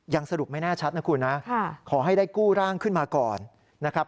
สรุปไม่แน่ชัดนะคุณนะขอให้ได้กู้ร่างขึ้นมาก่อนนะครับ